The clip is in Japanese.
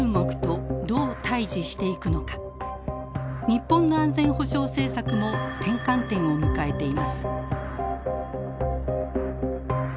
日本の安全保障政策も転換点を迎えています。